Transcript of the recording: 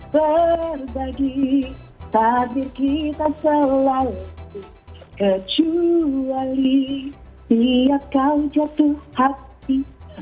berbagi hadir kita selalu kecuali tiap kau jatuh hati